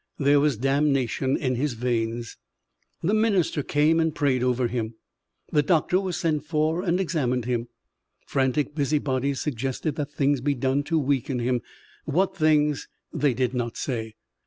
There was damnation in his veins. The minister came and prayed over him. The doctor was sent for and examined him. Frantic busybodies suggested that things be done to weaken him what things, they did not say.